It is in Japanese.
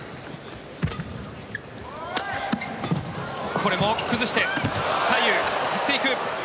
これも崩して左右振っていく。